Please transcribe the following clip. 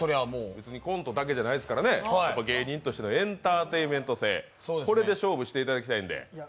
別にコントだけじゃないですからね、芸人としてのエンターテインメント性、これで勝負していただきたいので。